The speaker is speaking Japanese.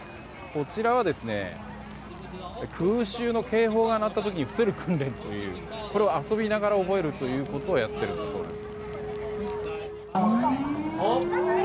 こちらは空襲の警報が鳴った時に伏せる訓練というこれを遊びながら覚えるということをやっているんだそうです。